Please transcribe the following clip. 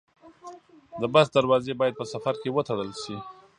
د بس دروازې باید په سفر کې وتړل شي.